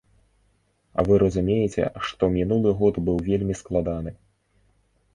А вы разумееце, што мінулы год быў вельмі складаны.